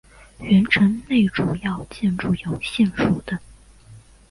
原城内主要建筑有县署等。